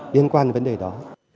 liên quan vấn đề đó